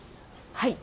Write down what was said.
はい。